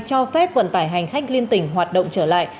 cho phép vận tải hành khách liên tỉnh hoạt động trở lại